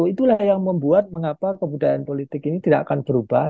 itulah yang membuat mengapa kebudayaan politik ini tidak akan berubah